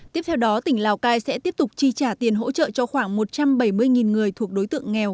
tiếp theo đó tỉnh lào cai sẽ tiếp tục chi trả tiền hỗ trợ cho khoảng một trăm bảy mươi người thuộc đối tượng nghèo